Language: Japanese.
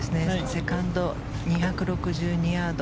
セカンド、２６２ヤード。